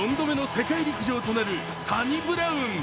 ４度目の世界陸上となるサニブラウン。